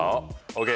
ＯＫ！